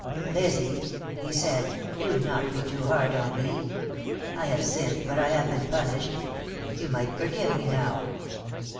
"Lizzie," he said, "do not be too hard on me. I have sinned, but I have been punished. You might forgive me now."